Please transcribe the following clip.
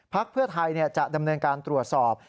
เพื่อไทยจะดำเนินการตรวจสอบ